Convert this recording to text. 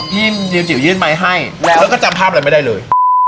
ยืมจิ๋วยื่นไมค์ให้แล้วก็จำภาพอะไรไม่ได้เลย